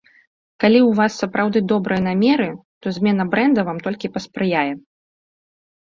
Калі ў вас сапраўды добрыя намеры, то змена брэнда вам толькі паспрыяе.